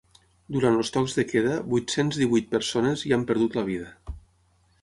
Durant els tocs de queda vuit-cents divuit persones hi han perdut la vida.